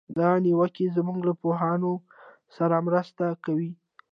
دا نیوکې زموږ له پوهانو سره مرسته کوي.